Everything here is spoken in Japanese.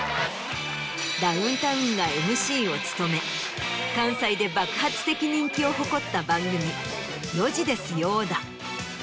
ダウンタウンがＭＣを務め関西で爆発的人気を誇った番組『４時ですよだ』。